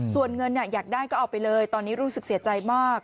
ส่วนเงินอยากได้ก็เอาไปเลยตอนนี้รู้สึกเสียใจมาก